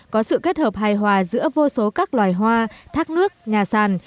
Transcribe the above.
có sự kết hợp hài hòa giữa vô số các loài hoa thác nước nhà sàn